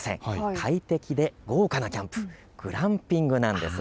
快適で豪華なキャンプ、グランピングなんです。